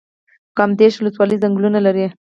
کامدیش ولسوالۍ ځنګلونه لري؟